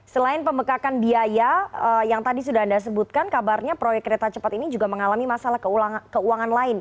selain pemekakan biaya yang tadi sudah anda sebutkan kabarnya proyek kereta cepat ini juga mengalami masalah keuangan lain